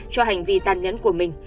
cho hành vi tàn nhẫn của mình